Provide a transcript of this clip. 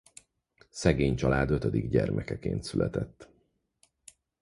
Szegény család ötödik gyermekeként született.